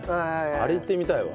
あれ行ってみたいわ。